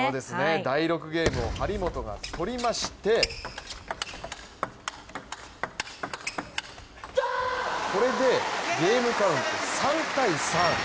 第６ゲームを張本が取りましてこれでゲームカウント３−３。